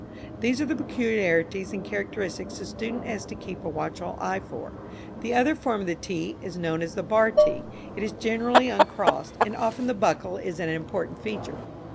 These are the peculiarities and characteristics the student has to keep a watchful eye for. The other form of the t is known as the bar t. It is generally uncrossed, and often the buckle is an important feature.